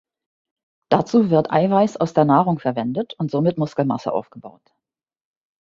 Dazu wird Eiweiß aus der Nahrung verwendet und somit Muskelmasse aufgebaut.